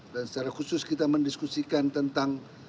dan secara khusus kita mendiskusikan tentang